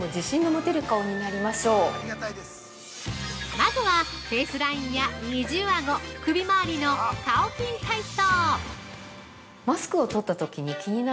◆まずは、フェイスラインや二重あご、首回りのカオキン体操。